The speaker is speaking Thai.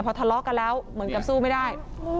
พอทะเลาะกันแล้วเหมือนกับสู้ไม่ได้